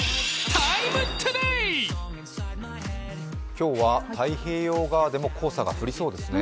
今日は太平洋側でも黄砂が降りそうですね。